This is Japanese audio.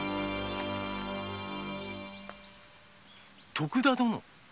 ⁉徳田殿？